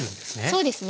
そうですね。